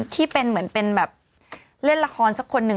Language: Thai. ที่เป็นเหมือนเป็นแบบเล่นละครสักคนหนึ่ง